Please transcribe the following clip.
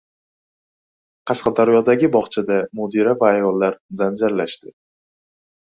Qashqadaryodagi bog‘chada mudira va ayollar janjallashdi